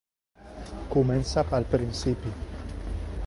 Comença pel principi.